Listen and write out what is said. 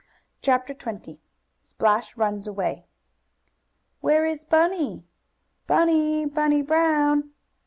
CHAPTER XX SPLASH RUNS AWAY "Where is Bunny?" "Bunny! Bunny Brown!"